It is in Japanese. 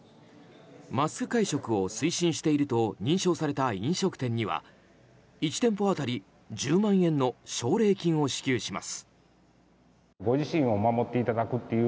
マスク会食を推進していると認証された飲食店には１店舗当たり１０万円の奨励金を支給します。